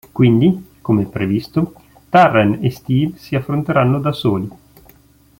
Quindi, come previsto, Darren e Steve si affronteranno da soli.